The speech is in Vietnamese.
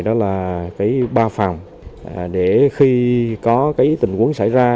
đó là ba phòng để khi có cái tình huống xảy ra